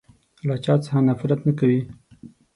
له چا څخه نفرت نه کوی.